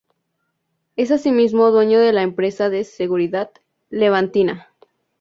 Es asimismo dueño de la empresa de seguridad "Levantina".